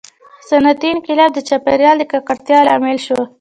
• صنعتي انقلاب د چاپېریال د ککړتیا لامل شو.